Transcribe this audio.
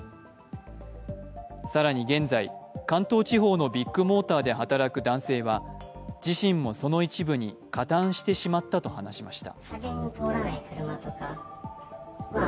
更に現在、関東地方のビッグモーターで働く男性は自身もその一部に加担してしまったと話しました。